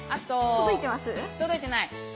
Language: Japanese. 届いてない。